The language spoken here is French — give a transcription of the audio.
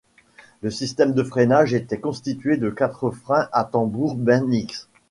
Le système de freinage était constitué de quatre freins à tambour Bendix.